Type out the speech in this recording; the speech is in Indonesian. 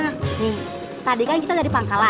nah tadi kan kita dari pangkalan